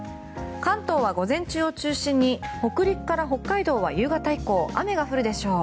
関東は午前中を中心に北陸から北海道は夕方以降雨が降るでしょう。